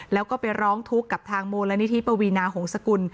แล้วก็ไปร้องทุกข์กับทางมูลนิธิปวีนาหงษกุล